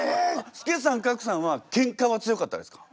助さん格さんはケンカは強かったですか？